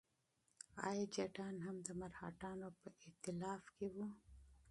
ایا جټان هم د مرهټیانو په ائتلاف کې وو؟